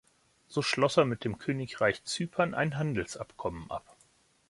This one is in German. So schloss er mit dem Königreich Zypern ein Handelsabkommen ab.